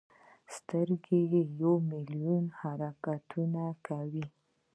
سترګې یو ملیون حرکتونه کوي.